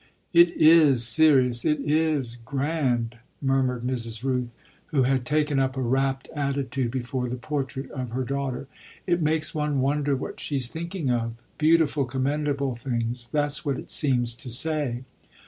"It is serious, it is grand," murmured Mrs. Rooth, who had taken up a rapt attitude before the portrait of her daughter. "It makes one wonder what she's thinking of. Beautiful, commendable things that's what it seems to say."